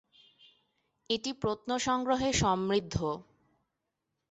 এটি প্রত্ন সংগ্রহে সমৃদ্ধ।